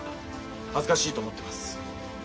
恥ずかしいと思ってます。